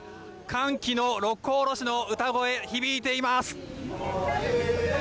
歓喜の「六甲おろし」の歌声響いています！